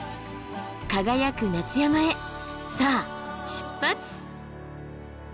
輝く夏山へさあ出発！